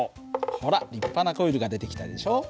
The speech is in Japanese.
ほら立派なコイルが出てきたでしょ。